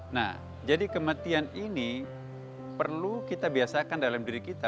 nah jadi kematian ini perlu kita biasakan dalam diri kita